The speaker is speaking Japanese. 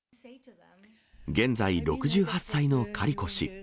現在６８歳のカリコ氏。